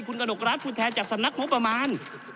คุณกนกรัฐคุณแทนจากสำนักโมงประมาณ